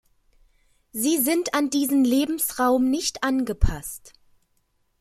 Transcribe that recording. Sie sind an diesen Lebensraum nicht angepasst.